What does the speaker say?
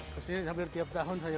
kepala pertama pertama pertama